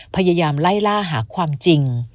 พยายามไล่ล่าหาความจริง